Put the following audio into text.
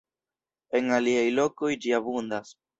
En aliaj lokoj ĝi abundas.